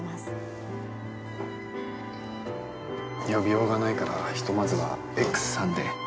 呼びようがないから、ひとまずはＸさんで。